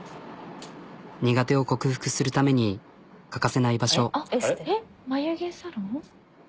苦手を克服するために欠かせない場所。